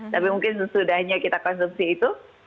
tapi mungkin sesudahnya kita konsumsi itu